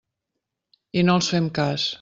I no els fem cas.